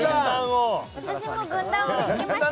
私も軍団を見つけました！